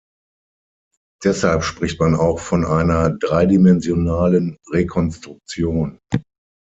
Deshalb spricht man auch von einer dreidimensionalen Rekonstruktion.